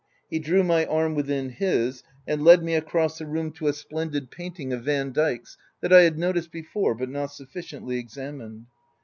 He drew my arm within his, and led me across the room to a splendid painting of Vandyke's that I had noticed be fore, but not sufficiently examined.